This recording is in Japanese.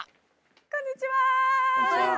こんにちは！